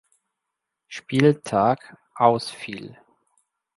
Spieltag ausfiel.